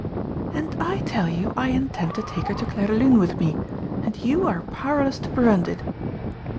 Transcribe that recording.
"And I tell you I intend to take her to Clairdelune with me, and you are powerless to prevent it."